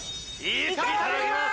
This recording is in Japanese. ・いただきます！